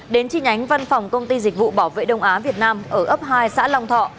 đến chi nhánh văn phòng công ty dịch vụ bảo vệ đông á việt nam ở ấp hai xã long thọ